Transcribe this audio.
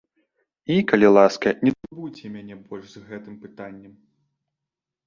І, калі ласка, не турбуйце мяне больш з гэтым пытаннем.